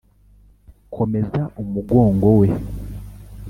komeza umugongo we